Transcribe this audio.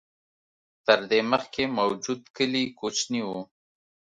تر دې مخکې موجود کلي کوچني و.